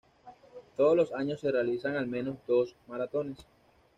Todos los años se realizan al menos dos maratones.